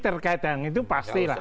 terkait dengan itu pasti lah